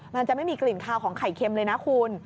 มันจะไม่มีกลิ่นคาวของไข่เค็มเลยนะคุณ